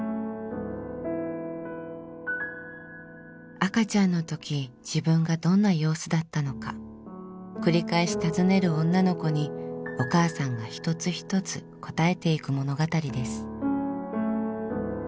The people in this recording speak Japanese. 赤ちゃんのとき自分がどんな様子だったのか繰り返し尋ねる女の子にお母さんが一つ一つ答えていく物語です。